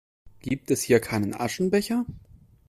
Gibt es hier keinen Aschenbecher?